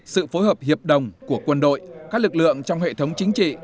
sự phối hợp hiệp đồng của quân đội các lực lượng trong hệ thống chính trị